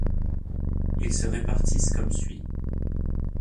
Ils se répartissent comme suit.